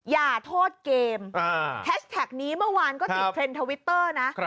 อย่าโทษเกมแฮชแท็กนี้เมื่อวานก็ติดเทรนด์ทวิตเตอร์นะ